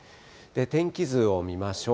天気図を見ましょう。